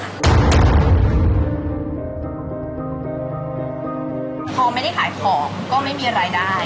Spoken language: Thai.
พอไม่ได้ขายของก็ไม่มีรายได้